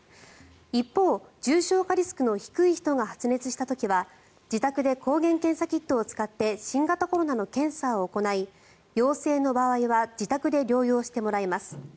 一方、重症化リスクの低い人が発熱した時は自宅で抗原検査キットを使って新型コロナの検査を行い陽性の場合は自宅で療養してもらいます。